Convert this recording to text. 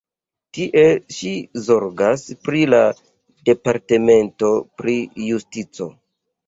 Tie ŝi zorgas pri la Departamento pri Justico.